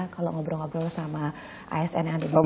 kalau ngobrol ngobrol sama asn yang ada di sini